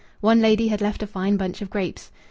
One lady had left a fine bunch of grapes.